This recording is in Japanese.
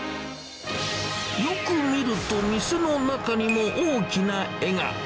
よく見ると、店の中にも大きな絵が。